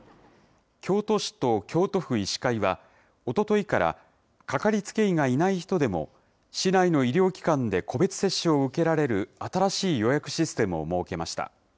京都市と京都府医師会は、おとといから、掛かりつけ医がいない人でも、市内の医療機関で個別接種を受けられる新しい予約システムを設けました。